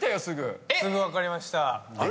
すぐ分かりました。